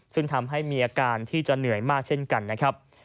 ซึ่งทำให้มีอาการที่จะเหนื่อยมากเช่นกันนะครับ